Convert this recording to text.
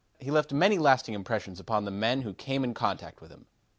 He left many lasting impressions upon the men who came in contact with him.